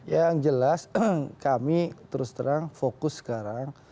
yang jelas kami terus terang fokus sekarang